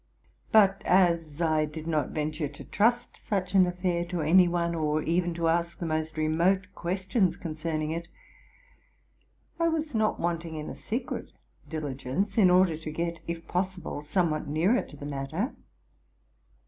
sut as I did not venture to trust such an affair to any one, or even to ask the most remote questions concerning it, I was not wanting in a secret diligence, in order to get, if pos sible, somewhat nearer to the matter.